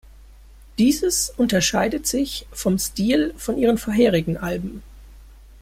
Dieses unterscheidet sich vom Stil von ihren vorherigen Alben.